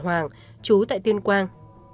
hoàng chú tại tuyên quang